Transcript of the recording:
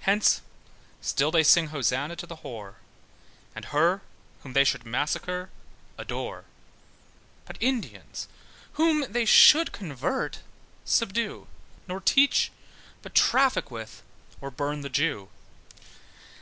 Hence still they sing hosanna to the whore, And her, whom they should massacre, adore: But Indians, whom they would convert, subdue; Nor teach, but traffic with, or burn the Jew.